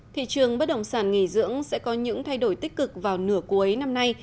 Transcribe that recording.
thị trường bất động sản nghỉ dưỡng sẽ có những thay đổi tích cực vào nửa cuối năm nay